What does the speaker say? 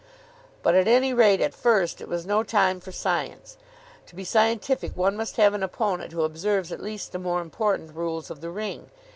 But, at any rate at first, it was no time for science. To be scientific one must have an opponent who observes at least the more important rules of the ring.